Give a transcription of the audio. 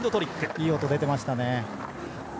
いい音出てましたね。